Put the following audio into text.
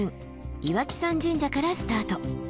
岩木山神社からスタート。